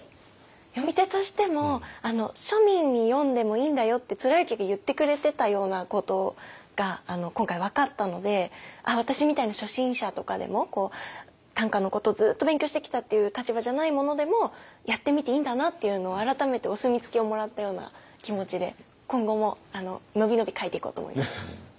詠み手としても庶民に「詠んでもいいんだよ」って貫之が言ってくれてたようなことが今回分かったので私みたいな初心者とかでも短歌のことをずっと勉強してきたっていう立場じゃない者でもやってみていいんだなっていうのを改めてお墨付きをもらったような気持ちで今後ものびのび書いていこうと思います。